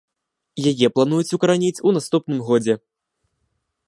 Яе плануюць укараніць у наступным годзе.